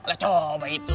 lah coba itu